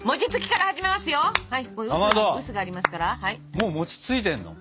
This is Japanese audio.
もう餅ついてるの？